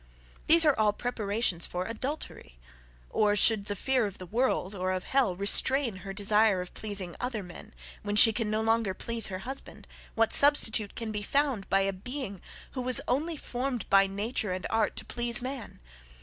These are all preparations for adultery; or, should the fear of the world, or of hell, restrain her desire of pleasing other men, when she can no longer please her husband, what substitute can be found by a being who was only formed by nature and art to please man?